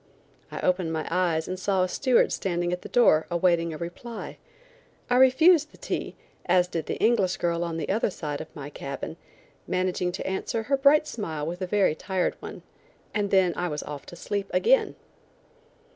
I opened my eyes and saw a steward standing at the door awaiting a reply. I refused the tea, as did the English girl on the other side of my cabin, managing to answer her bright smile with a very tired one, and then I was off to sleep again.